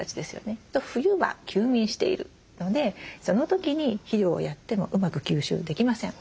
冬は休眠しているのでその時に肥料をやってもうまく吸収できません。